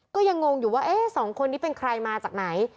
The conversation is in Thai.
ก็ยังงงอยู่ว่าสองคนนี้เป็นใครมาจากไหน